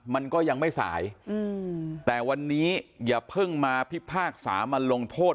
มันก็ยังไม่สายแต่วันนี้อย่าเพิ่งมาพิพากษามาลงโทษ